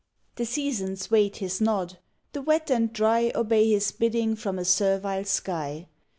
The seasons wait his nod: the wet and dry Obey his bidding from a servile sky.